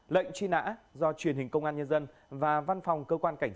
lệnh truy nã do truyền hình công an nhân dân và văn phòng cơ quan cảnh sát